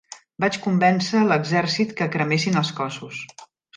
Vaig convèncer l'exèrcit que cremessin els cossos.